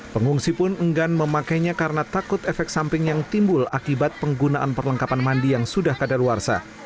pengungsi pun enggan memakainya karena takut efek samping yang timbul akibat penggunaan perlengkapan mandi yang sudah kadaluarsa